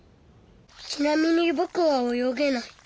ちなみにぼくは泳げない。